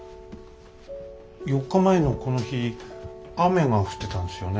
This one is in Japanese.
４日前のこの日雨が降ってたんですよね。